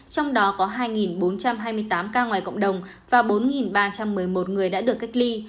trong đó có hai bốn trăm hai mươi tám ca ngoài cộng đồng và bốn ba trăm một mươi một người đã được cách ly